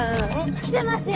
きてますよ！